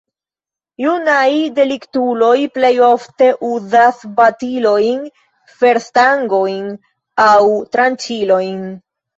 Junaj deliktuloj plej ofte uzas batilojn, ferstangojn aŭ tranĉilojn.